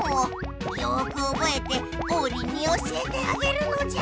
よくおぼえてオウリンに教えてあげるのじゃ！